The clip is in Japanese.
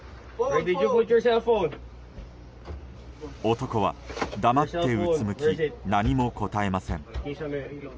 男は黙ってうつむき何も答えません。